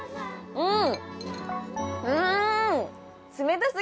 うん！